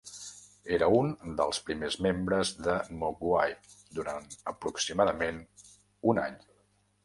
Era un dels primers membres de Mogwai durant aproximadament un any.